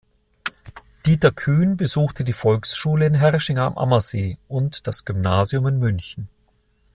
Dieter Kühn besuchte die Volksschule in Herrsching am Ammersee und das Gymnasium in München.